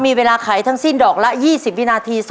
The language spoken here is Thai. มีเวลาไขทั้งสิ้นดอกละ๒๐วินาที